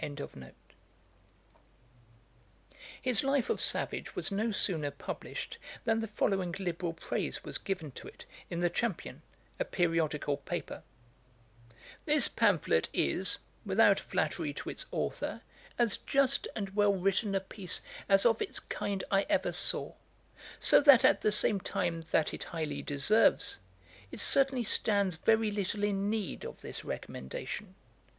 ] His Life of Savage was no sooner published, than the following liberal praise was given to it, in The Champion, a periodical paper: 'This pamphlet is, without flattery to its authour, as just and well written a piece as of its kind I ever saw; so that at the same time that it highly deserves, it certainly stands very little in need of this recommendation.